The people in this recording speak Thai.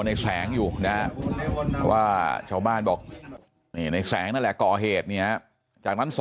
ในแสงอยู่นะเพราะว่าชาวบ้านบอกในแสงนั่นแหละก่อเหตุเนี่ยจากนั้น